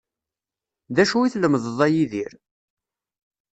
D acu i tlemdeḍ a Yidir?